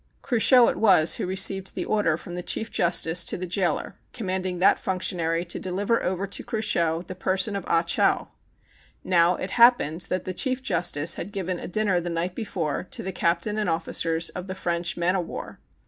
Cruchot it was who received the order from the Chief Justice to the jailer com.manding that functionary to deliver over to Cruchot the per son of Ah Chow. Now, it happened that the Chief Justice had given a dinner the night before to the captain and officers of the French man of war.